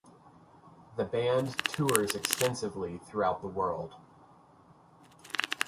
The band tours extensively throughout the world.